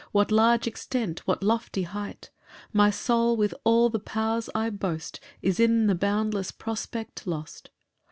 What large extent! what lofty height! My soul, with all the powers I boast, Is in the boundless prospect lost.